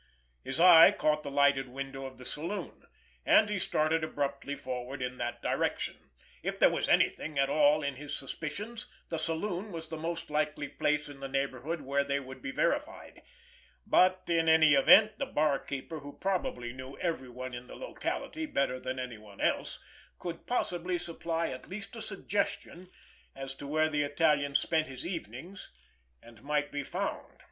His eye caught the lighted window of the saloon, and he started abruptly forward in that direction. If there was anything at all in his suspicions, the saloon was the most likely place in the neighborhood where they would be verified; but in any event, the barkeeper, who probably knew everyone in the locality better than anyone else, could possibly supply at least a suggestion as to where the Italian spent his evenings and might be found.